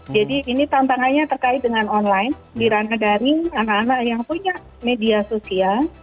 jadi ini tantangannya terkait dengan online di ranah ranih anak anak yang punya media sosial